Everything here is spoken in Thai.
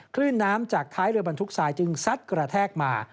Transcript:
คลื่นน้ำจากท้ายเรือบรรทุกทรายจึงซัดกระแทกมา